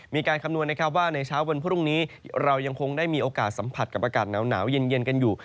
คำนวณนะครับว่าในเช้าวันพรุ่งนี้เรายังคงได้มีโอกาสสัมผัสกับอากาศหนาวเย็นกันอยู่